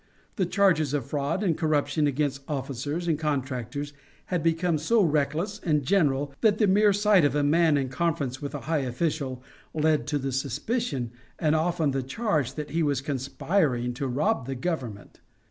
The charges of fraud and corruption against officers and contractors had become so reckless and general that the mere sight of a man in conference with a high official led to the suspicion and often the charge that he was conspiring to rob the Government.